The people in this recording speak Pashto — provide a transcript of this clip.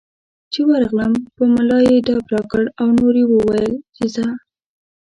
چې ورغلم په ملا یې ډب راکړ او نور یې وویل چې ځه.